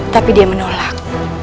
tapi dia menolak